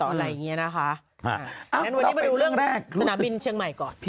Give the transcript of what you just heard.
อะไรอย่างเงี้ยนะคะวันนี้มาดูเริ่มเรื่องบินเชียงใหม่ก่อน